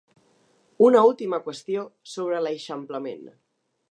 Una última qüestió sobre l’eixamplament.